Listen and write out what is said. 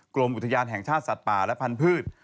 กรมอุทยานแห่งชาติสัตว์ป่าและพันธุ์